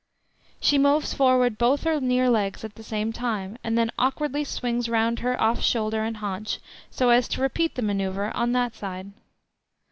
She moves forward both her near legs at the same time, and then awkwardly swings round her off shoulder and haunch so as to repeat the manoeuvre on that side.